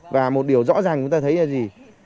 và một điều rõ ràng chúng ta thấy là gì